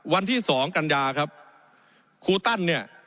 วันที่สองกันยาครับครูตั้นเนี่ย